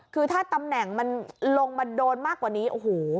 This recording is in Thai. คือถ้าตำแหน่งมันลงมาโดนมากกว่านี้โอ้โห